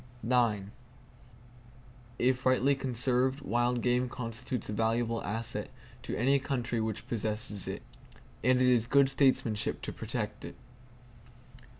If rightly conserved, wild game constitutes a valuable asset to any country which possesses it; and it is good statesmanship to protect it.